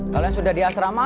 kalau yang sudah di asrama